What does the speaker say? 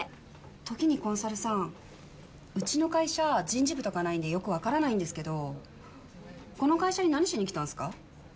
時にコンサルさんうちの会社人事部とかないんでよくわからないんですけどこの会社に何しに来たんすか？